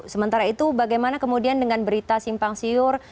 sementara itu bagaimana kemudian dengan berita simpang siur